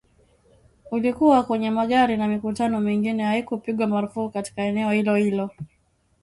ulikuwa kwenye magari na mikutano mingine haikupigwa marufuku katika eneo hilo-hilo